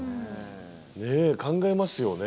ねえ考えますよね。